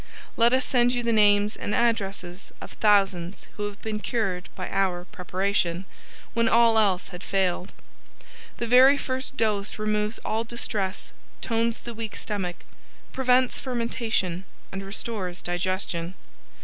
Let us send you the names and addresses of thousands who have been cured by our preparation, when all else had failed. The very first dose removes all distress, tones the weak stomach, prevents fermentation and restores digestion.